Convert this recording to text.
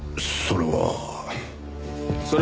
それは？